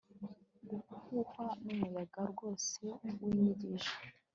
Guhuhwa numuyaga wose winyigisho